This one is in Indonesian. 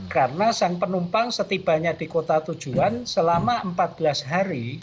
karena sang penumpang setibanya di kota tujuan selama empat belas hari